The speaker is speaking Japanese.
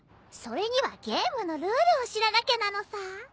それにはゲームのルールを知らなきゃなのさ。